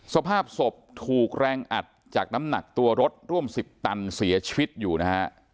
สภาพศพถูกแรงอัดจากน้ำหนักตัวรถร่วม๑๐ตันเสียชีวิตอยู่นะฮะ